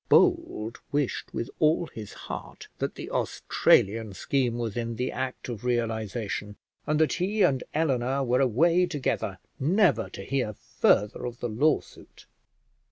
Bold wished with all his heart that the Australian scheme was in the act of realisation, and that he and Eleanor were away together, never to hear further of the lawsuit.